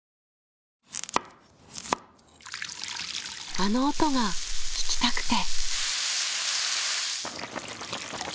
あの音が聞きたくて。